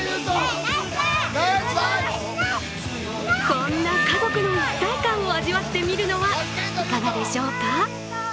こんな家族の一体感を味わってみるのはいかがでしょうか。